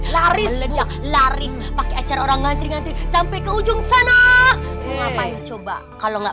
laris laris pakai acara orang ngancing ngancing sampai ke ujung sana ngapain coba kalau enggak